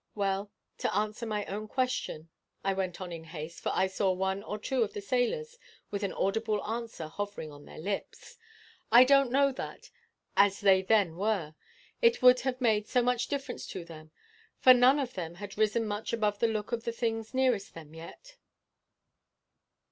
Well, to answer my own question" I went on in haste, for I saw one or two of the sailors with an audible answer hovering on their lips "I don't know that, as they then were, it would have made so much difference to them; for none of them had risen much above the look of the things nearest them yet.